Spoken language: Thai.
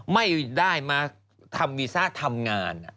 ไม่ได้มาทำวีซ่าทำงาน